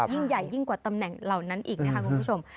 ยิ่งใหญ่ยิ่งกว่าตำแหน่งเหล่านั้นอีกนะคะคุณผู้ชม